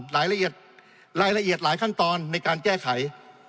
รายละเอียดรายละเอียดหลายขั้นตอนในการแก้ไข